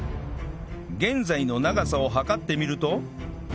現在の長さを測ってみると